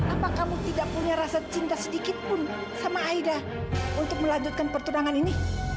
apa kamu tidak punya rasa cinta sedikitpun sama aida untuk melanjutkan pertunangan ini